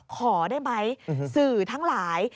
ขอได้ไหมสื่อทั้งหลาย